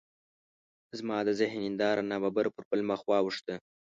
زما د ذهن هنداره ناببره پر بل مخ واوښته.